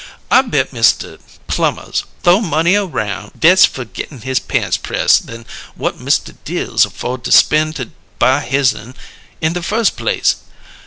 I bet Mista Plummers th'ow mo' money aroun' dess fer gittin' his pants press' than whut Mista Dills afford to spen' to buy his'n in the firs' place!